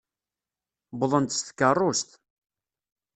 Wwḍen-d s tkeṛṛust.